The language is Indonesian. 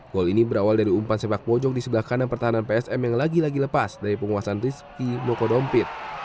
gol ini berawal dari umpan sepak pojok di sebelah kanan pertahanan psm yang lagi lagi lepas dari penguasaan rizky mokodompit